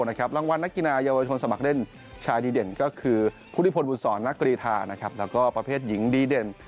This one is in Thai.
รางวัลนักกีฬาเยาวชนสมัครเล่นชายดีเด่นก็คือพุทธิพลบุษรนักกรีธาแล้วก็ประเภทหญิงดีเด่น